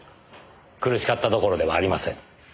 苦しかったどころではありません。